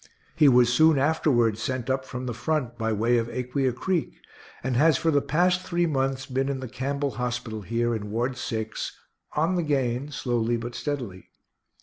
He was soon afterward sent up from the front by way of Aquia creek, and has for the past three months been in the Campbell hospital here, in Ward 6, on the gain slowly but steadily.